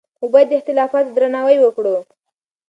موږ باید د اختلافاتو درناوی وکړو.